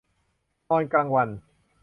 นอนกลางวัน